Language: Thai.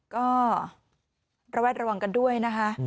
ก็ระแวดระวังกันด้วยนะคะ